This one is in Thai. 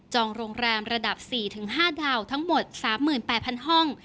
โรงแรมระดับ๔๕ดาวทั้งหมด๓๘๐๐ห้อง